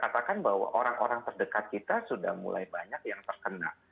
ya jadi dikatakan bahwa orang orang terdekat kita sudah mulai banyak yang terkena